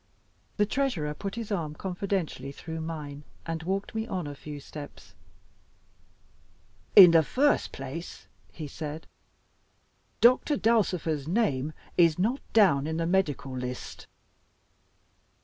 The Treasurer put his arm confidentially through mine, and walked me on a few steps. "In the first place," he said, "Doctor Dulcifer's name is not down in the Medical List."